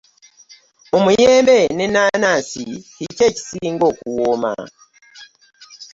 Omuyembe n'ennaanansi kiki ekisinga okuwooma?